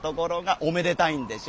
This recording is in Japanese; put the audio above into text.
「おめでたいんでしょ？